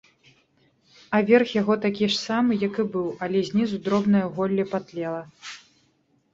А верх яго такі ж самы, як і быў, але знізу дробнае голле патлела.